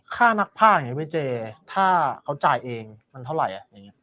ค่านักภาพอย่างนี้เว้ยเจถ้าเขาจ่ายเองมันเท่าไหร่